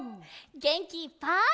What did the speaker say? げんきいっぱい。